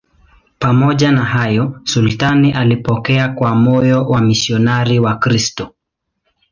Pamoja na hayo, sultani alipokea kwa moyo wamisionari Wakristo.